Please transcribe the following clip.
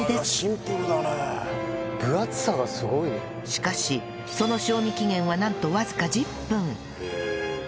しかしその賞味期限はなんとわずか１０分！